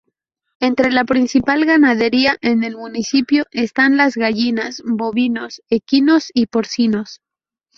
Entre la principal ganadería en el municipio están las gallinas, bovinos, equinos y porcinos.